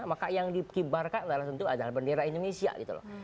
maka yang dikibarkan adalah tentu adalah bendera indonesia gitu loh